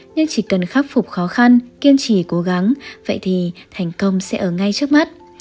nhưng chỉ cần khắc phục khó khăn kiên trì cố gắng vậy thì thành công sẽ ở ngay trước mắt